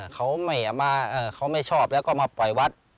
เขาไม่ชอบแล้วก็มาปล่อยวัด